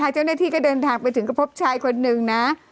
เจ้านักที่ก็เดินทางไปถึงกระพบชายคนหนึ่ง